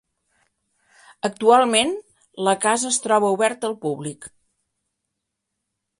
Actualment, la casa es troba oberta al públic.